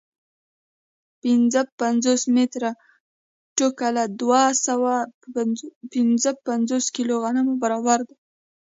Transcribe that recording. پنځه پنځوس متره ټوکر له دوه سوه پنځه پنځوس کیلو غنمو برابر دی